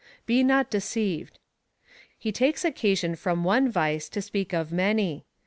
Be not deceived. He takes occasion from one vice to speak of many.